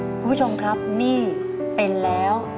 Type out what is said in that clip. คุณผู้ชมครับนี่เป็นแล้ว